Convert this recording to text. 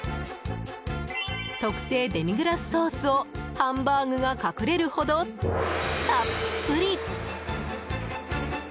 特製デミグラスソースをハンバーグが隠れるほどたっぷり。